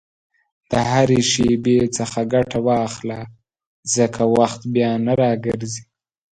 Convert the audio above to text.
د هرې شېبې څخه ګټه واخله، ځکه وخت بیا نه راګرځي.